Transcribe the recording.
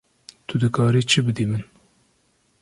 Tu dikarî çi bidî min?